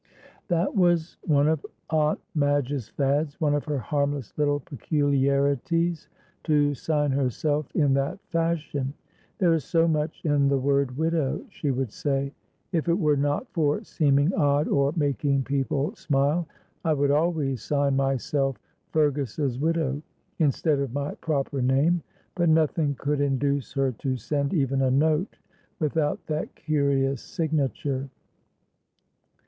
That was one of Aunt Madge's fads, one of her harmless little peculiarities, to sign herself in that fashion. "There is so much in the word widow," she would say; "if it were not for seeming odd or making people smile, I would always sign myself 'Fergus's widow,' instead of my proper name," but nothing could induce her to send even a note without that curious signature.